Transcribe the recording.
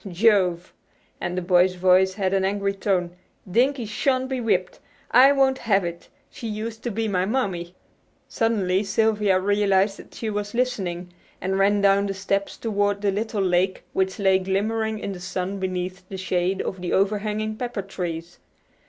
Jove!" and the boy's voice had an angry tone, "Dinkie shan't be whipped! I won't have it. She used to be my mammy." Suddenly Sylvia realized that she was listening, and ran down the steps toward the little lake which lay glimmering in the sun beneath the shade of the overhanging pepper trees.